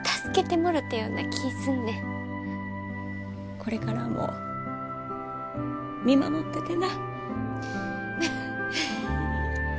これからも見守っててな。